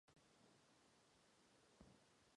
Pohled na zříceninu je však dobrý i z blízkých stezek.